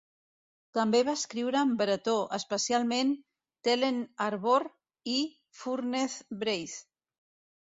També va escriure en bretó, especialment "Telenn-Arvor" i "Furnez Breiz".